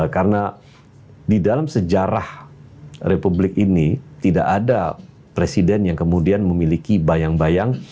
karena di dalam sejarah republik ini tidak ada presiden yang kemudian memiliki bayang bayang